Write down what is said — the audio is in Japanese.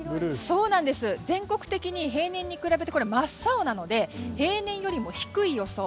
全国的に真っ青なので平年よりも低い予想。